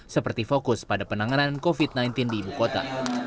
seperti fokus pada penanganan covid sembilan belas di ibu kota